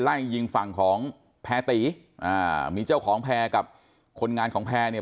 ไล่ยิงฝั่งของแพรตีอ่ามีเจ้าของแพร่กับคนงานของแพร่เนี่ย